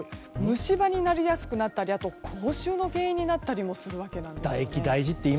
虫歯になりやすくなったり口臭の原因になったりするんですね。